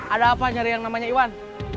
ada apa nyari yang namanya iwan